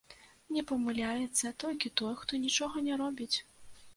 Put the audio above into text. Не памыляецца толькі той, хто нічога не робіць.